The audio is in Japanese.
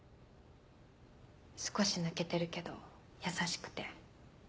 少し抜けてるけど優しくて。